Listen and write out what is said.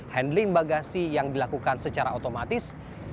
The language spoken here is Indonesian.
handling bagasi yang dilakukan secara otomatis